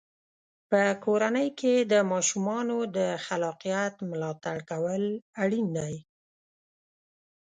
په کورنۍ کې د ماشومانو د خلاقیت ملاتړ کول اړین دی.